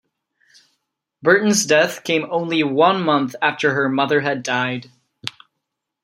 Burton's death came only one month after her mother had died.